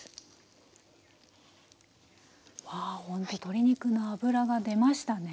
ほんと鶏肉の脂が出ましたね。